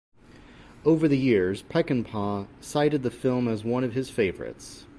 Over the years, Peckinpah cited the film as one of his favorites.